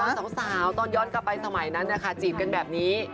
สาวตอนย้อนกลับไปสมัยนั้นนะคะจีบกันแบบนี้